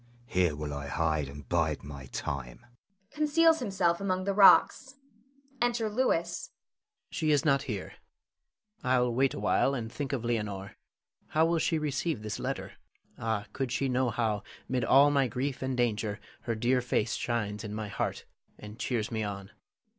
Here will I hide, and bide my time [conceals himself among the rocks]. [Enter Louis. Louis. She is not here. I'll wait awhile and think of Leonore. How will she receive this letter? Ah, could she know how, 'mid all my grief and danger, her dear face shines in my heart, and cheers me on.